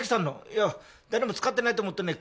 いや誰も使ってないと思ってね